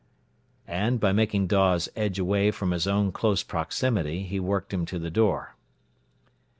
And, by making Dawes edge away from his own close proximity, he worked him to the door.